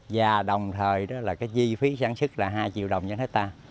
và đồng thời đó là cái chi phí sản xuất là hai triệu đồng cho hết ta